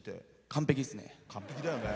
完璧ですね。